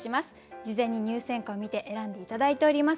事前に入選歌を見て選んで頂いております。